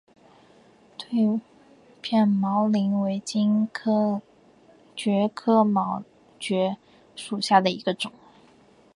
锐片毛蕨为金星蕨科毛蕨属下的一个种。